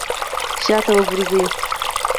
شاته وګرځئ!